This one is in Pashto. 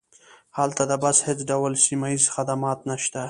هلته د بس هیڅ ډول سیمه ییز خدمات نشته